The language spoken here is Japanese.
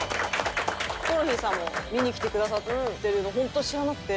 ヒコロヒーさんも見に来てくださってるの本当知らなくて。